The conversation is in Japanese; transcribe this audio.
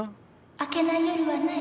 明けない夜はない。